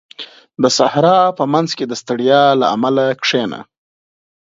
• د صحرا په منځ کې د ستړیا له امله کښېنه.